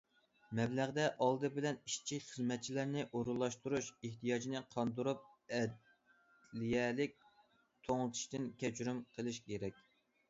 مەبلەغدە ئالدى بىلەن ئىشچى- خىزمەتچىلەرنى ئورۇنلاشتۇرۇش ئېھتىياجىنى قاندۇرۇپ، ئەدلىيەلىك توڭلىتىشتىن كەچۈرۈم قىلىش كېرەك.